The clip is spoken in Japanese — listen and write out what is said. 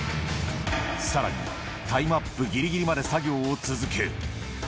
さらに、タイムアップぎりぎりまで作業を続け。